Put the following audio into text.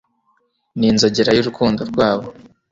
Ninzogera yurukundo rwabo